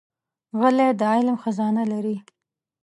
غلی، د علم خزانه لري.